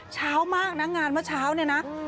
เช้ามากนะงานเมื่อเช้าเนี่ยนะ